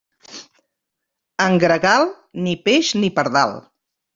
En gregal, ni peix ni pardal.